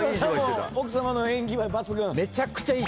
奥さまの演技は抜群？